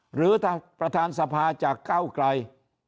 หรือประธานสภาจากเก้าไกล